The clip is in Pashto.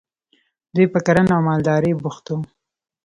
دوی په کرنه او مالدارۍ بوخت وو.